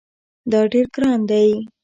دا ډیر ګران دی